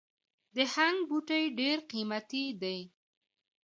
د هنګ بوټی ډیر قیمتي دی